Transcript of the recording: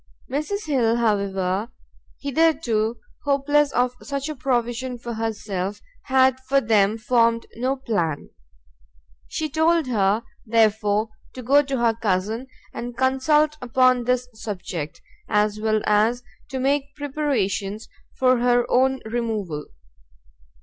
Mrs Hill, however, hitherto hopeless of such a provision for herself, had for them formed no plan. She told her, therefore, to go to her cousin, and consult upon this subject, as well as to make preparations for her own removal.